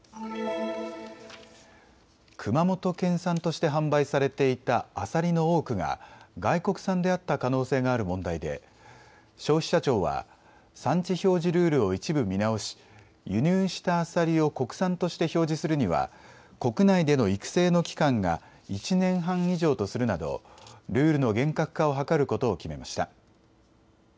熊本県産として販売されていたアサリの多くが外国産であった可能性がある問題で消費者庁は産地表示ルールを一部見直し輸入したアサリを国産として表示するには国内での育成の期間が１年半以上とするなどルールの厳格化を図ることを決めました。